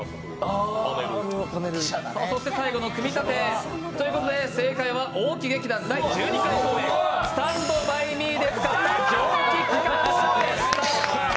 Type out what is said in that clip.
最後の組み立て。ということで正解は大木劇団第１２回「スタンド・バイ・ミー」で使った蒸気機関車でした。